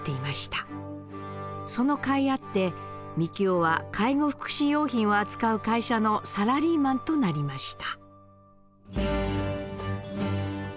そのかいあってみきおは介護福祉用品を扱う会社のサラリーマンとなりました。